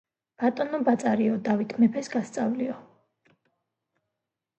ბატონო ბაწარიო, დავით მეფეს გასწავლიო